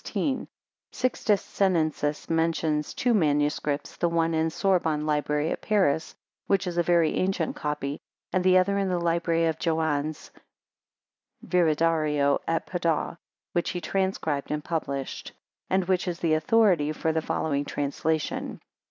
Sixtus Senensis mentions two MSS., the one in the Sorbonne Library at Paris, which is a very ancient copy, and the other in the Library of Joannes a Viridario, at Padua, which he transcribed and published; and which is the authority for the following translation.